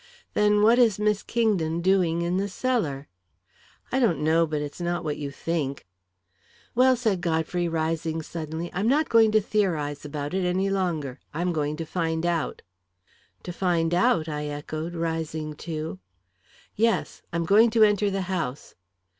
"Then what is Miss Kingdon doing in the cellar?" "I don't know, but it's not what you think." "Well," said Godfrey, rising suddenly, "I'm not going to theorise about it any longer I'm going to find out." "To find out?" I echoed, rising too. "Yes I'm going to enter the house."